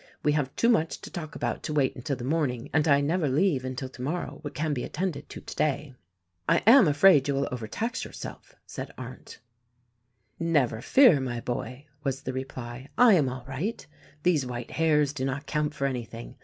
We have too much to talk about to wait until the THE RECORDING ANGEL 81 morning, and I never leave until tomorrow what can be attended to today." "I am afraid you will overtax yourself," said Arndt. "Never fear, my boy," was the reply, "I am all right! These white hairs do not count for anything.